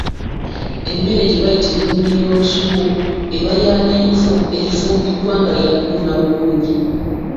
Emmere gye bayita ennuuni y'olusuku eba ya lyenvu erifumbiddwa nga lyakunuuna bunuunyi.